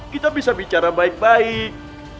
kita bisa bicara baik baik